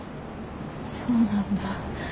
そうなんだぁ。